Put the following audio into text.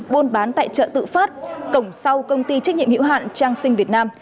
buôn bán tại chợ tự phát cổng sau công ty trách nhiệm hiệu hạn trang sinh việt nam